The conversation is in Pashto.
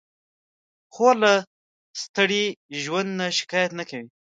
خور له ستړي ژوند نه شکایت نه کوي.